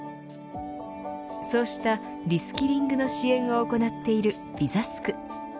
そうしたリスキリングの支援を行っているビザスク。